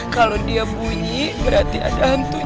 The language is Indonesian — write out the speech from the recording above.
kalau dia bunyi berarti ada hantu nih